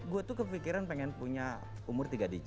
gue tuh kepikiran pengen punya umur tiga digit